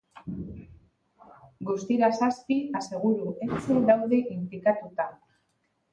Guztira zazpi aseguru etxe daude inplikatuta.